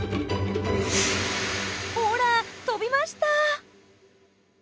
ほら飛びました！